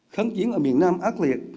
kháng chiến ở miền nam ác liệt